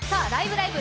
ライブ！」